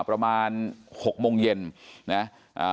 ประมาณหกโมงเย็นนะอ่า